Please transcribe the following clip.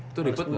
itu ribet nggak